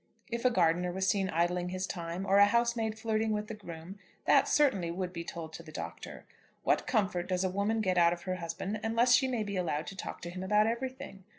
If a gardener was seen idling his time, or a housemaid flirting with the groom, that certainly would be told to the Doctor. What comfort does a woman get out of her husband unless she may be allowed to talk to him about everything?